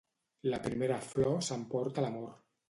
La primera flor s'emporta l'amor.